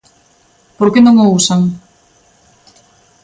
¿Por que non o usan?